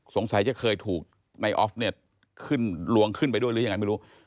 สงสัยจะเคยถูกในออฟน์ลวงขึ้นไปด้วยหรือยังไงไม่รู้